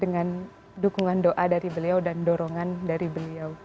dengan dukungan doa dari beliau dan dorongan dari beliau